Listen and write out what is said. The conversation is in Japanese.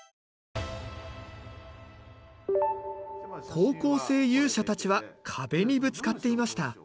高校生勇者たちは壁にぶつかっていました。